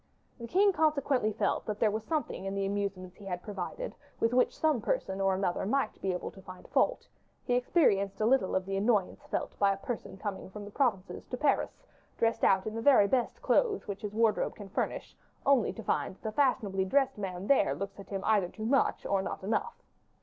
The king consequently felt that there was something in the amusements he had provided with which some person or another might be able to find fault; he experienced a little of the annoyance felt by a person coming from the provinces to Paris, dressed out in the very best clothes which his wardrobe can furnish, only to find that the fashionably dressed man there looks at him either too much or not enough.